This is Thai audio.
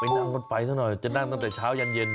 ไปนั่งก่อนไปสักหน่อยจะนั่งตั้งแต่เช้ายานเย็น